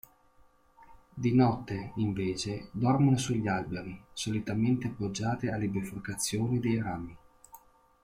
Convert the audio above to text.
Di notte, invece, dormono sugli alberi, solitamente appoggiate alle biforcazioni dei rami.